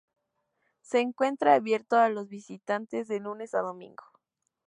Se encuentra abierto a los visitantes de lunes a domingo.